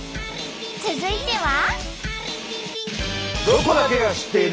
続いては。